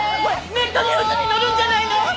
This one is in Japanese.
ネットニュースに載るんじゃないの！？